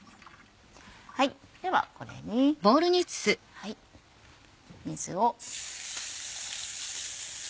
ではこれに水を。